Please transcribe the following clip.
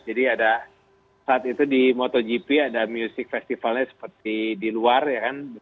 jadi ada saat itu di motogp ada musik festivalnya seperti di luar ya kan